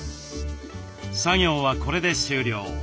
作業はこれで終了。